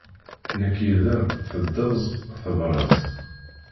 Nekk yid-m teddez tebrez.